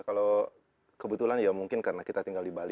kalau kebetulan ya mungkin karena kita tinggal di bali